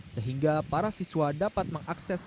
sehingga para siswa dapat mengakses